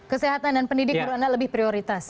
kesehatan dan pendidik menurut anda lebih prioritas